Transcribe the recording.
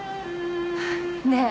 ねえ